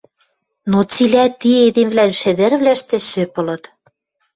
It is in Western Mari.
Но цилӓ ти эдемвлӓн шӹдӹрвлӓштӹ шӹп ылыт.